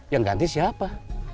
yang ganti siapa